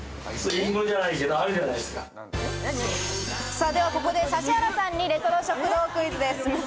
さぁではここで指原さんにレトロ食堂クイズです。